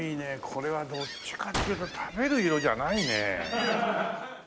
これはどっちかっていうと食べる色じゃないね。